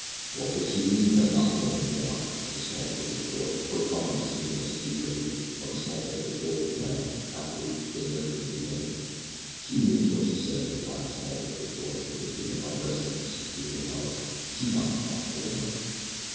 "Wot does she mean by knockin' of 'im down?" asked a small butcher's boy, who had come on the scene just too late, of a small baker's boy who had, happily, been there from the beginning. "She means wot she says," replied the small baker's boy with the dignified reticence of superior knowledge, "she knocked the constable down."